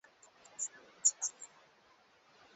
hivyo basi chama kiliomba kibali cha kuja kuelezea hilo